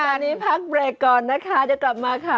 พักก่อนตอนนี้พักเบรกก่อนนะคะจะกลับมาค่ะ